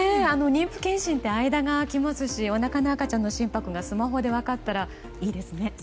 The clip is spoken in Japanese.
妊婦検診って間が空くしおなかの赤ちゃんの心拍数をスマホで分かったらいいですね。